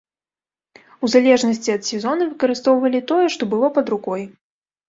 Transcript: У залежнасці ад сезона выкарыстоўвалі тое, што было пад рукой.